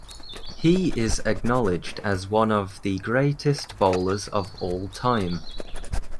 He is acknowledged as one of the greatest bowlers of all time.